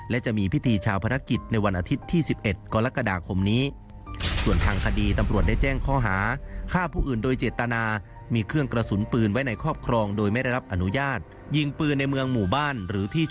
และจะมีพิธีชาวภารกิจในวันอาทิตย์ที่๑๑กรกฎาคมนี้